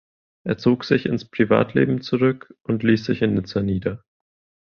Er zog sich ins Privatleben zurück und ließ sich in Nizza nieder.